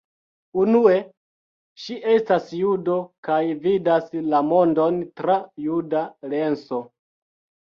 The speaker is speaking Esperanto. Unue, ŝi estas judo kaj vidas la mondon tra juda lenso.